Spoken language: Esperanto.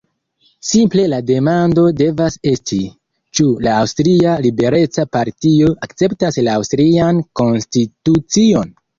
Simple la demando devas esti: ĉu la Aŭstria Libereca Partio akceptas la aŭstrian konstitucion?